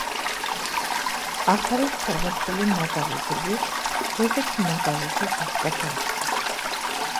აქ არის ჩამოთვლილი მაგალითები და ერთ-ერთი მაგალითი ზუსტად აღწერს.